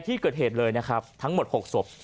ที่เกิดเหตุเลยนะครับทั้งหมด๖ศพ